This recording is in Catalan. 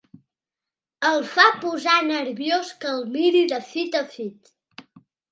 El fa posar nerviós que el miri de fit a fit.